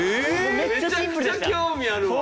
めちゃくちゃ興味あるわ。